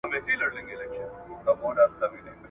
چي په سترګه یې له لیري سوله پلنډه ..